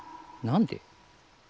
何で。